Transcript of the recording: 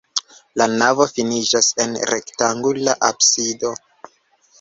La navo finiĝas en rektangula absido.